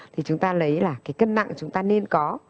thì chúng ta lấy là cái cân nặng chúng ta nên có